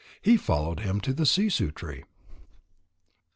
He followed him to the sissoo tree.